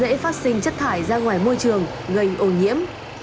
dễ phát sinh chất thải ra ngoài môi trường gây ô nhiễm